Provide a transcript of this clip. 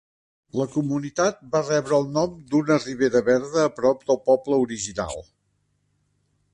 La comunitat va rebre el nom d"una ribera verda a prop del poble original.